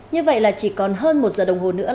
như vậy là chỉ còn hơn một giờ đồng hồ nữa